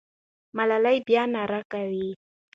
ملالۍ به بیا ناره کوي.